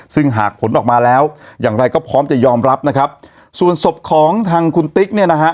ซึ่งหากผลออกมาแล้วอย่างไรก็พร้อมจะยอมรับนะครับส่วนศพของทางคุณติ๊กเนี่ยนะฮะ